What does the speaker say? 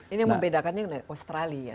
ini yang membedakannya dengan australia